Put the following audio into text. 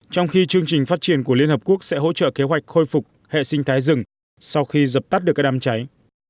trung quốc sẽ hỗ trợ kế hoạch khôi phục hệ sinh thái rừng sau khi dập tắt được các đám cháy